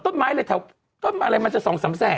ต้นไม้อะไรแถวต้นอะไรมันจะ๒๓แสน